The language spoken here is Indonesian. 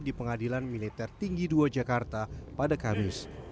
di pengadilan militer tinggi dua jakarta pada kamis